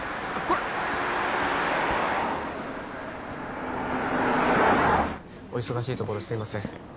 これお忙しいところすいません